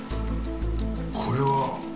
これは？